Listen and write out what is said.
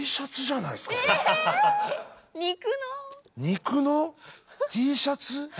肉のＴシャツ？